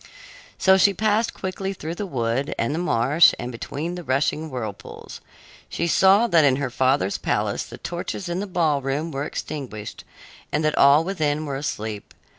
So she passed quickly through the wood and the marsh and between the rushing whirlpools. She saw that in her father's palace the torches in the ballroom were extinguished and that all within were asleep.